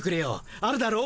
あるだろう